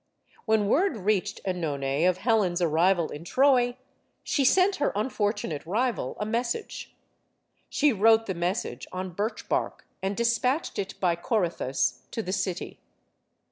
When word reached CEnone of Helen's arrival in Troy, she sent her unfortunate rival a message. She wrote the message on birch bark and dispatched it, by Corythus, to the city.